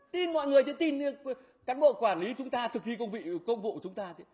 tin mọi người thì tin các bộ quản lý chúng ta thực hiện công vụ của chúng ta